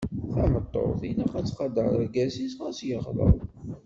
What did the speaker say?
Tameṭṭut ilaq ad tqader argaz-is ɣas yeɣleḍ.